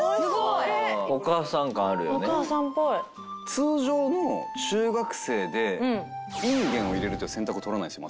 通常の中学生でインゲンを入れるという選択を取らないですよ